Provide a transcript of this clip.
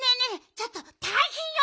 ちょっとたいへんよ。